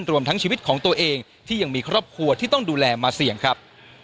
รวมทั้งชีวิตของตัวเองที่ยังมีครอบครัวที่ต้องดูแลมาเสี่ยงครับ